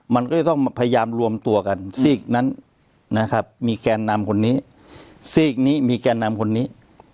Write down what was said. มันก็จะต้องพยายามรวมตัวกันสีกนั้นนะครับมีแกนนำคนนี้